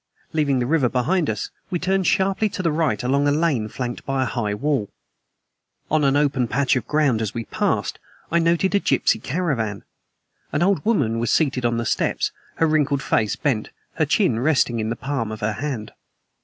Leaving the river behind us, we turned sharply to the right along a lane flanked by a high wall. On an open patch of ground, as we passed, I noted a gypsy caravan. An old woman was seated on the steps, her wrinkled face bent, her chin resting in the palm of her hand.